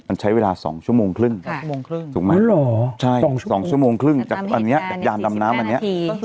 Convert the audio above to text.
มันใช้เวลาสองชั่วโมงครึ่งสองชั่วโมงครึ่งจากอันนี้จากยานดำน้ำอันนี้